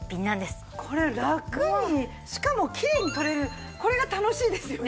これラクにしかもキレイに取れるこれが楽しいですよね。